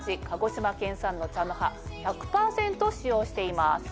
鹿児島県産の茶の葉１００％使用しています。